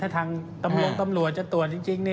ถ้าทางตำรวจจะตรวจจริง